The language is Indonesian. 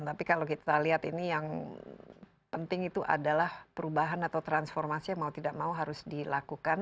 tapi kalau kita lihat ini yang penting itu adalah perubahan atau transformasi yang mau tidak mau harus dilakukan